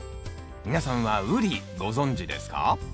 皆さんはウリご存じですか？